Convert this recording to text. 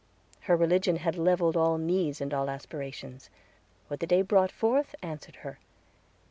Her religion had leveled all needs and all aspirations. What the day brought forth answered her.